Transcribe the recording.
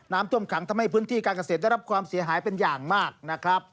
น้ำท่วมขังทำให้พื้นที่การเกษตรได้รับความเสียหายเป็นอย่างมากนะครับ